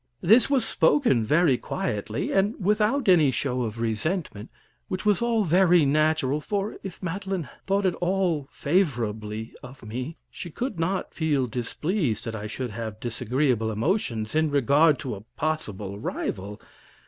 This was spoken very quietly, and without any show of resentment, which was all very natural, for if Madeline thought at all favorably of me she could not feel displeased that I should have disagreeable emotions in regard to a possible rival.